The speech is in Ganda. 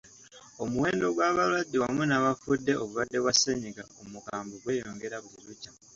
Omuwendo gw'abalwadde wamu n'abafudde obulwadde bwa ssennyinga omukabwe gweyongera buli lukya.